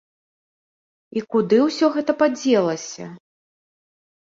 І куды ўсё гэта падзелася?